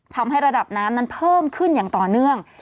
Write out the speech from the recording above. ทำให้ระดับน้ำนั้นเพิ่มขึ้นอย่างต่อเนื่อง